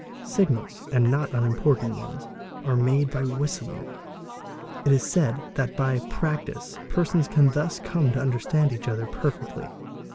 Signals, and not unimportant ones, are made by whistling : it is said that by practice persons can thus come to understand each other | perfectly.